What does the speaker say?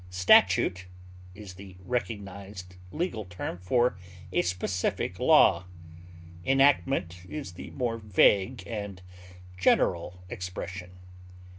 Statute is the recognized legal term for a specific law; enactment is the more vague and general expression.